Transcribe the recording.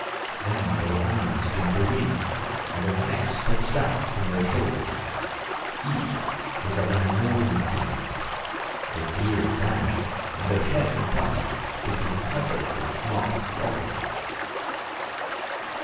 Then their arms turned to wings, and their necks stretched out from the shoulders. Each was of an enormous length. Their beards van ished, and their heads and bodies became cov ered with soft feathers.